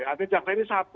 artinya jaksa ini satu